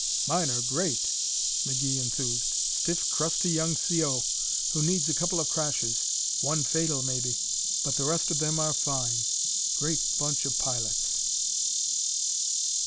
"Mine are great!" McGee enthused. "Stiff, crusty young C.O., who needs a couple of crashes one fatal, maybe but the rest of them are fine. Great bunch of pilots."